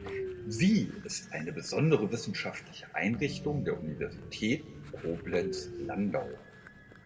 Sie ist eine besondere wissenschaftliche Einrichtung der Universität Koblenz-Landau.